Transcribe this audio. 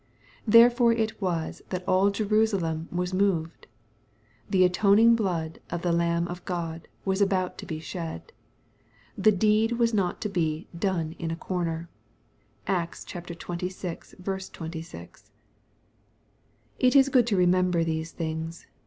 Therefore it was that all Jerusalem was moved. The atoning blood of the Lamb of God was about to be shed. The deed was not to be "done in a corner/' (Acts xxvi. 26.) It is good to remember these things.